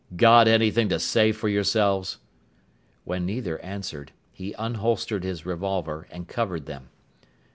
"Got anything to say for yourselves?" When neither answered, he unholstered his revolver and covered them.